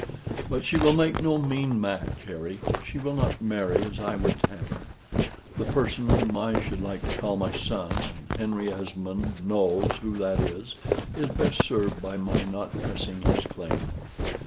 "But she will make no mean match, Harry: she will not marry as I would have her; the person whom I should like to call my son, and Henry Esmond knows who that is, is best served by my not pressing his claim.